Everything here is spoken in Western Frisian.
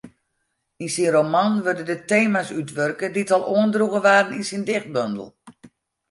Yn syn roman wurde de tema's útwurke dy't al oandroegen waarden yn syn dichtbondel.